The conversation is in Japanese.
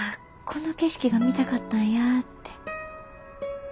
この景色が見たかったんやって。